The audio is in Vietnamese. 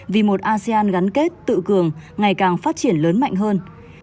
vì một asean gắn kết tự cường ngày càng phát triển lớn mạnh hơn